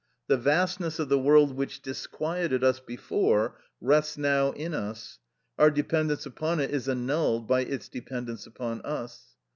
The vastness of the world which disquieted us before, rests now in us; our dependence upon it is annulled by its dependence upon us.